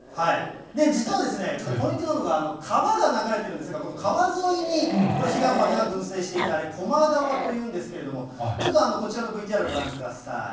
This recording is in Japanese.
実は、ちょっとポイントになるのが、川が流れてるんですが、この川沿いに彼岸花が群生していて、あれ、高麗川というんですけど、ちょっとこちらのＶＴＲ、ご覧ください。